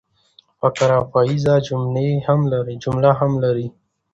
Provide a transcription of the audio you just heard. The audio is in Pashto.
فقره پاییزه جمله هم لري.